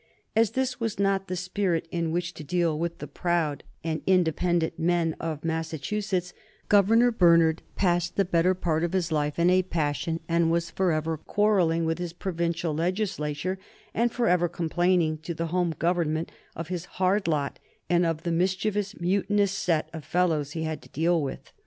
As this was not the spirit in which to deal with the proud and independent men of Massachusetts, Governor Bernard passed the better part of his life in a passion and was forever quarrelling with his provincial legislature and forever complaining to the Home Government of his hard lot and of the mischievous, mutinous set of fellows he had to deal with.